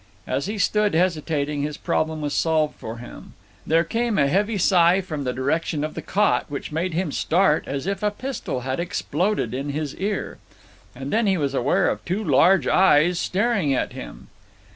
As he stood, hesitating, his problem was solved for him. There came a heavy sigh from the direction of the cot which made him start as if a pistol had exploded in his ear; and then he was aware of two large eyes staring at him.